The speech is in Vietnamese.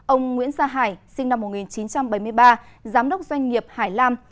ông nguyễn sa hải sinh năm một nghìn chín trăm bảy mươi ba giám đốc doanh nghiệp hải lam